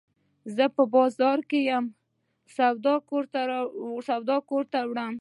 زه په بازار کي یم، سودا کور ته وړم.